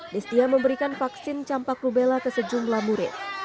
listia memberikan vaksin campak rubella ke sejumlah murid